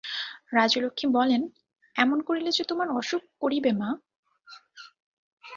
রাজলক্ষ্মী বলেন, এমন করিলে যে তোমার অসুখ করিবে মা।